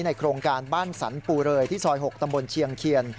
โครงการบ้านสรรปูเรยที่ซอย๖ตำบลเชียงเคียน